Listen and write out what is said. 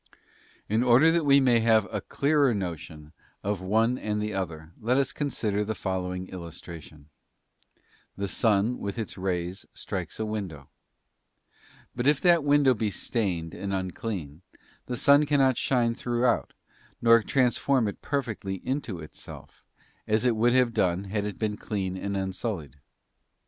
In order that we may have a clearer notion of the one and the other, let us consider the following illustration: the sun, with its rays, strikes a window; but if that window be stained and unclean, the sun cannot shine throughout nor transform it perfectly into itself, as it would have done, had it been clean and unsullied.